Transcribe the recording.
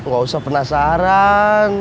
gak usah penasaran